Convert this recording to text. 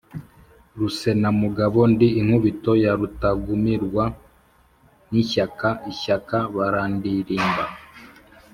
Rusenamugabo ndi inkubito ya Rutagumirwa n’ishyaka, ishyaka barandilimba.